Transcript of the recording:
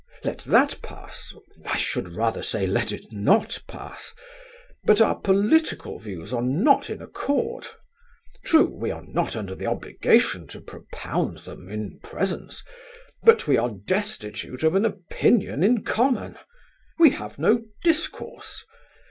Let that pass I should rather say, let it not pass! but our political views are not in accord. True, we are not under the obligation to propound them in presence, but we are destitute of an opinion in common. We have no discourse.